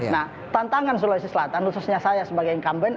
nah tantangan sulawesi selatan khususnya saya sebagai incumbent